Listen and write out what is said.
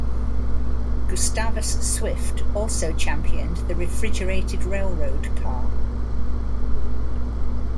Gustavus Swift also championed the refrigerated railroad car.